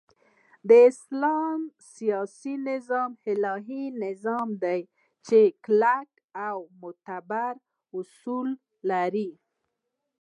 د اسلام سیاسی نظام الهی نظام دی چی کلک او معتبر اصول لری